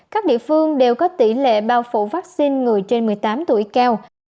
các địa phương đều có tỷ lệ bao phủ vaccine người trên một mươi tám tuổi cao